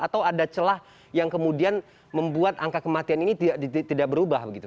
atau ada celah yang kemudian membuat angka kematian ini tidak berubah begitu